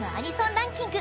ランキング